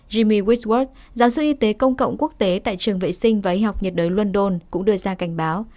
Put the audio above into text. jimmy whitworth giáo sư y tế công cộng quốc tế tại trường vệ sinh và y học nhiệt đới london cũng đưa ra cảnh báo